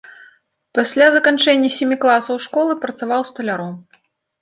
Пасля заканчэння сямі класаў школы працаваў сталяром.